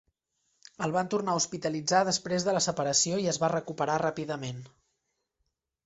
El van tornar a hospitalitzar després de la separació i es va recuperar ràpidament.